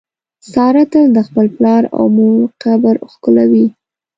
ساره تل د خپل پلار او مور قبر ښکلوي.